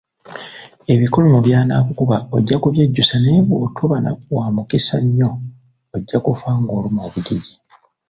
Ebikolimo byanaakukuba ojja kubyejjusa naye bw'otoba wa mukisa nnyo, ojja kufa ng'olumwa obugigi.